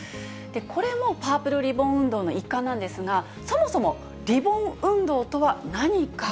これもパープルリボン運動の一環なんですが、そもそもリボン運動とは何か。